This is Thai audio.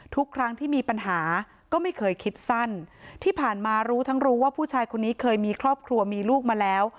ทุกครั้งที่มีปัญหาก็ไม่เคยคิดสั้นที่ผ่านมารู้ทั้งรู้ว่าผู้ชายคนนี้เคยมีครอบครัวมีลูกมาแล้ว